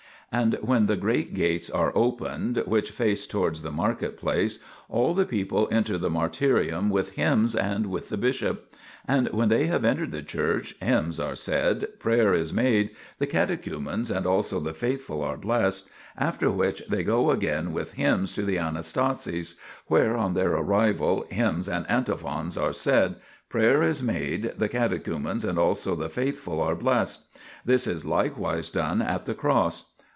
And when the great gates are opened, which face towards the market place, all the people enter the martyrium with hymns and with the bishop. And when they have entered the church, hymns are said, prayer is made, the catechumens and also the faithful are blessed ; after which they go again with hymns to the Anastasis, where on their arrival hymns and antiphons are said, prayer is made, the catechumens and also the faithful are blessed ; this is likewise done at the Cross.